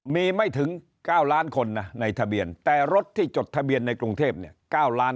มีไม่ถึง๙ล้านคนนะในทะเบียนแต่รถที่จดทะเบียนในกรุงเทพเนี่ย๙ล้าน